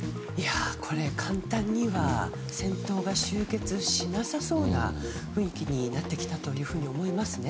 これ、簡単には戦闘が終結しなさそうな雰囲気になってきたと思います。